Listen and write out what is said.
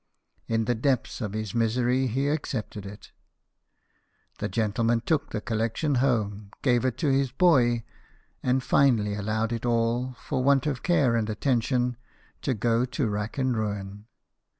In the depths of his misery, he accepted it. The gentleman took the collection home, gave it to his boy, and finally allowed it all, for want of care and attention, to go to rack and ruin.